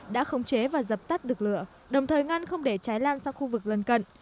đã khống chế và dập tắt được lửa đồng thời ngăn không để cháy lan sang khu vực lân cận